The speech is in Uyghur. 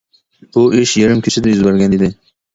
بۇ ئىش يېرىم كېچىدە يۈز بەرگەن ئىدى.